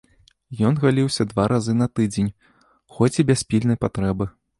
Ён галіўся два разы на тыдзень, хоць і без пільнай патрэбы.